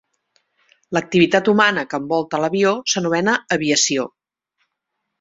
L'activitat humana que envolta l'avió s'anomena aviació.